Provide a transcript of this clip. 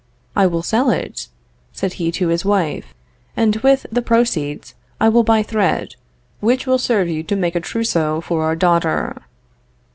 I will sell it, said he to his wife, and with the proceeds I will buy thread, which will serve you to make a trousseau for our daughter.